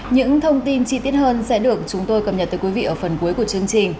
những thông tin chi tiết hơn sẽ được chúng tôi cập nhật tới quý vị ở phần cuối của chương trình